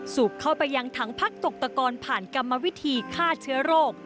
สูบเข้าไปยังถังพักตกตะกอนผ่านกรรมวิธีฆ่าเชื้อโรค